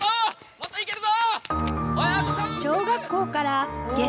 もっと行けるぞ！